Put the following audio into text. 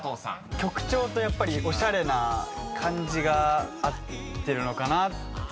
曲調とやっぱりおしゃれな感じが合ってるのかなって。